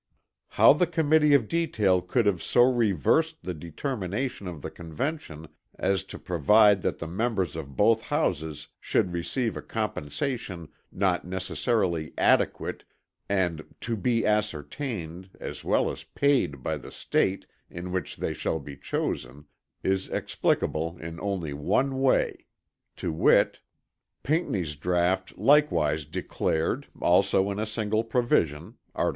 How the Committee of Detail could have so reversed the determination of the Convention as to provide that the members of both Houses should receive a compensation not necessarily "adequate" and "to be ascertained" as well as "paid" by the State "in which they shall be chosen" is explicable in only one way; to wit: Pinckney's draught likewise declared, also in a single provision (art.